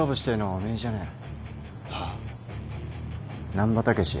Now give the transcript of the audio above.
難破猛。